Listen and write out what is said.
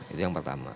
itu yang pertama